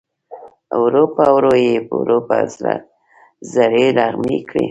ورو په ورو یې ور په زړه زړې نغمې کړې